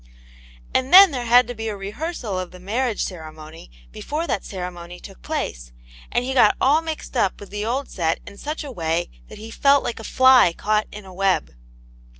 And then there had to be a rehearsal of the marriage ceremohy before that ceremony took place, and he got all mixed up with the old set in such a way, that he felt like a fly caught in a web.